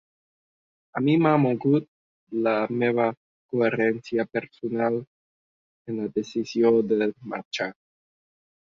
A mi m’ha mogut la meva coherència personal, en la decisió de marxar.